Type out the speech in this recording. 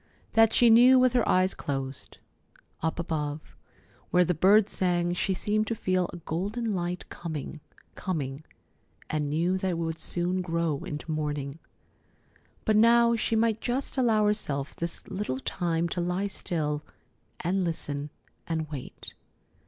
That she knew with her eyes closed. Up above, where the birds sang, she seemed to feel a golden light coming, coming, and knew that it would soon grow into morning. But now she might just allow herself this little time to lie still and listen and wait.